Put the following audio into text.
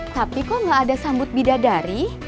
tapi kok gak ada sambut bidadari